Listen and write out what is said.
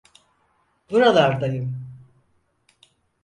Buralardayım.